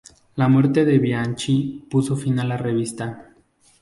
La muerte de Bianchi puso fin a la revista.